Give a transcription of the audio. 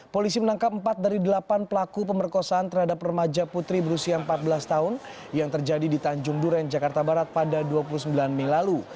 polisi menangkap empat dari delapan pelaku pemerkosaan terhadap remaja putri berusia empat belas tahun yang terjadi di tanjung duren jakarta barat pada dua puluh sembilan mei lalu